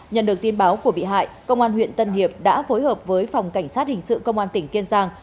nhận được tin báo của bị hại công an huyện tân hiệp đã phối hợp với phòng cảnh sát hình sự công an tỉnh kiên giang